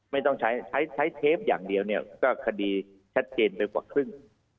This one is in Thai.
ไม่ต้องใช้เทปอย่างเดียวก็คดีชัดเกณฑ์ไปกว่าครึ่ง